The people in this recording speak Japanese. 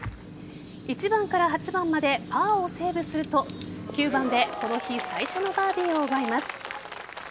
１番から８番までパーをセーブすると９番でこの日最初のバーディーを奪います。